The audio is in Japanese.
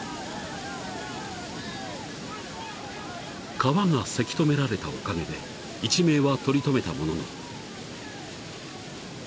［川がせき止められたおかげで一命は取り留めたものの］